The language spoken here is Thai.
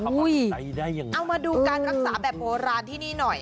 อุ้ยเอามาดูการรักษาแบบโบราณที่นี่หน่อย